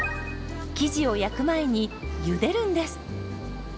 生地を焼く前にゆでるんです。